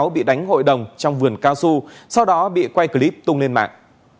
bị đánh hội đồng trong vườn cao su sau đó bị quay clip tung lên mạng